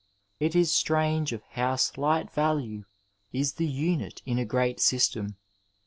It is strange of how slight value is the unit in a great system.